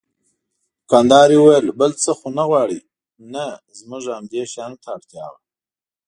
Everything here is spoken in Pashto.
دوکاندارې وویل: بل څه خو نه غواړئ؟ نه، زموږ همدې شیانو ته اړتیا وه.